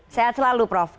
sehat selalu prof